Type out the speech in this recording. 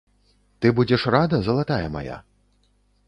Ты будзеш рада, залатая мая?